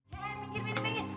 nih pinggir pinggir pinggir